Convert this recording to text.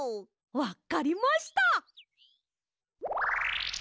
わっかりました！